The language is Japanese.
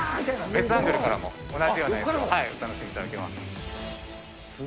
別アングルからも同じような映像がお楽しみいただけます。